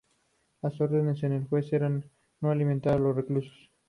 Las órdenes del juez eran de no alimentar a los reclusos.